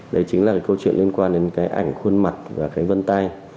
đấy chính là cái câu chuyện liên quan đến cái ảnh khuôn mặt và cái vân tay